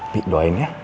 bi doain ya